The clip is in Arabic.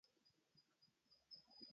ربنا الله شارع الأحكام